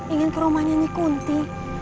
ingin ke rumahnya nyikunti